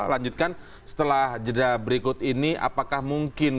lanjutkan setelah jeda berikut ini apakah mungkin